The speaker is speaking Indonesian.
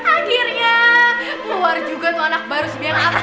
akhirnya keluar juga tuh anak baru si biang apes